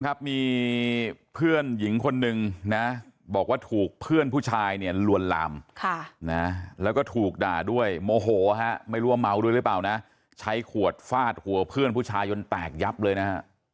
ครับมีเพื่อนหญิงคนนึงนะบอกว่าถูกเพื่อนผู้ชายเนี่ยลวนลามแล้วก็ถูกด่าด้วยโมโหฮะไม่รู้ว่าเมาด้วยหรือเปล่านะใช้ขวดฟาดหัวเพื่อนผู้ชายจนแตกยับเลยนะฮะ